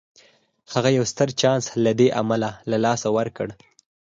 هغه يو ستر چانس له دې امله له لاسه ورکړ.